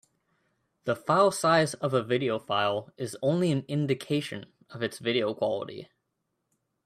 The filesize of a video file is only an indication of its video quality.